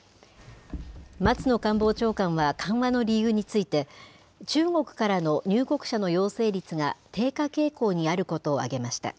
松野官房長官は緩和の理由について、中国からの入国者の陽性率が低下傾向にあることを挙げました。